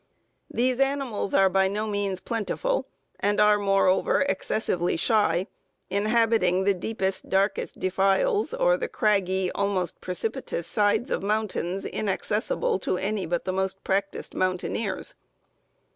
"These animals are by no means plentiful, and are moreover excessively shy, inhabiting the deepest, darkest defiles, or the craggy, almost precipitous, sides of mountains inaccessible to any but the most practiced mountaineers.